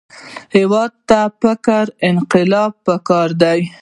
هېواد ته فکري انقلاب پکار دی